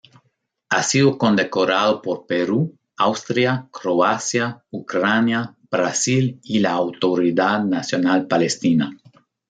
Ha sido condecorado por Perú, Austria, Croacia, Ucrania, Brasil y la Autoridad Nacional Palestina.